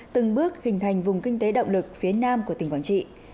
từng bước hình thành vùng kinh tế động lực phía nam của tỉnh quảng trị